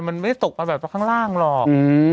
มันไม่ตกมาข้างล่างหรอก